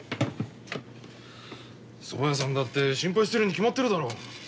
そば屋さんだって心配してるに決まってるだろ。